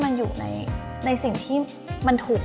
บางทีการเราเอาอารมณ์ของเราไปใส่ในเนื้อเรื่องมากเกินไป